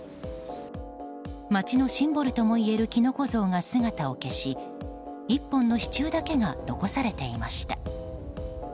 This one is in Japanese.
町のシンボルともいえるキノコ像が姿を消し１本の支柱だけが残されていました。